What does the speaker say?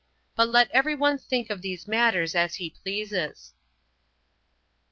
But let every one think of these matters as he pleases.